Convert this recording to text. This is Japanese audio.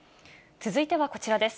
続いてはこちらです。